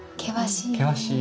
険しい。